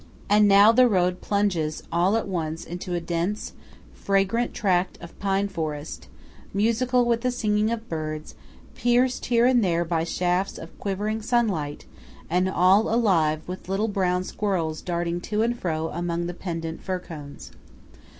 And now the road plunges all at once into a dense, fragrant tract of pine forest, musical with the singing of birds; pierced here and there by shafts of quivering sunlight; and all alive with little brown squirrels darting to and fro among the pendant fir cones.